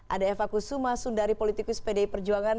ada eva kusuma sundari politikus pdi perjuangan